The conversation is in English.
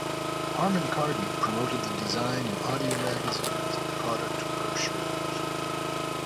Harman Kardon promoted the design in audio magazines and product brochures.